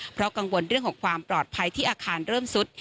เพราะกังวลเรื่องของความปลอดภัยที่อาคารเริ่มซุด